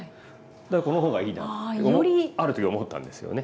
だからこの方がいいなある時思ったんですよね。